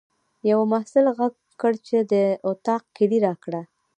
یوه محصل غږ کړ چې د اطاق کیلۍ راکړه.